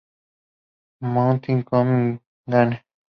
Monthly Comic Gene